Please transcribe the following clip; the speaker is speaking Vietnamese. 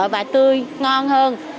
và tươi ngon hơn